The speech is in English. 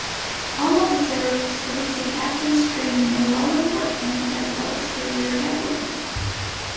All officers receive advanced training in law enforcement as well as career development.